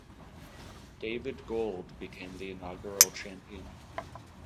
David Gold became the inaugural champion.